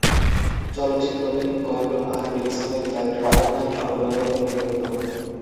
চলচ্চিত্রটি Gordon R. ডিকসনের "the dragon knight" অবলম্বনে নির্মিত।